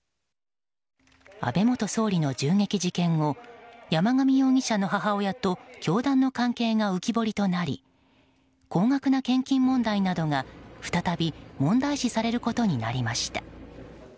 安倍元総理の銃撃事件後山上容疑者の母親と教団の関係が浮き彫りとなり高額な献金問題などが再び、問題視されることになりました。